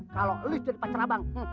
kalau elis jadi pacar abang